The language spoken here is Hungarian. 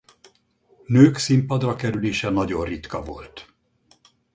Nők színpadra kerülése nagyon ritka volt.